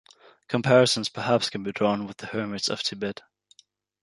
Comparisons perhaps can be drawn with the hermits of Tibet.